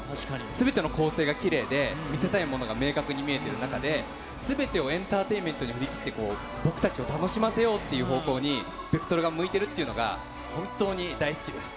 すべての構成がきれいで、見せたいものが明確に見えてる中で、すべてをエンターテインメントに振り切って、僕たちを楽しませようっていう方向にベクトルが向いているというのが、本当に大好きです。